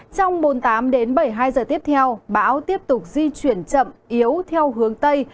trong bốn mươi tám đến bảy mươi hai giờ tiếp theo bão tiếp tục di chuyển chậm yếu theo hướng tây